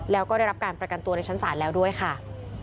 แล้วก็ได้รับการประกันตัวในชั้นศาลแล้วด้วยค่ะ